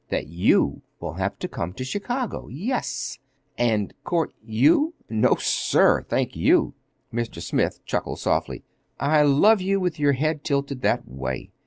"That you will have to come to Chicago—yes." "And court you? No, sir—thank you!" Mr. Smith chuckled softly. "I love you with your head tilted that way."